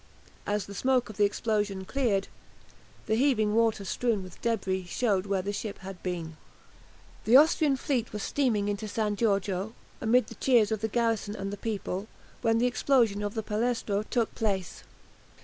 As the smoke of the explosion cleared, the heaving water strewn with debris showed where the ship had been. The Austrian fleet was steaming into San Giorgio, amid the cheers of the garrison and the people, when the explosion of the "Palestro" took place.